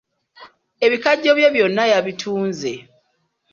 Ebikajjo bye byonna yabitunze.